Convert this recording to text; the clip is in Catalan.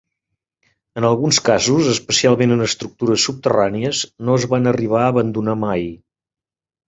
En alguns casos, especialment en estructures subterrànies, no es van arribar a abandonar mai.